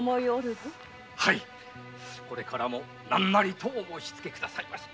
これからも何なりとお申しつけくださいまし。